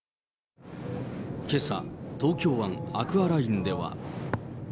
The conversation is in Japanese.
けさ、東京湾アクアラインでは。